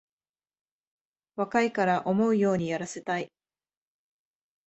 若いから思うようにやらせたい